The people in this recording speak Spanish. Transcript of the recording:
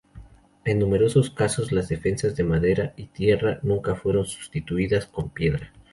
En numerosos casos las defensas de madera y tierra nunca fueron sustituidas con piedra.